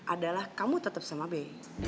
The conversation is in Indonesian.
adalah kamu tetep sama be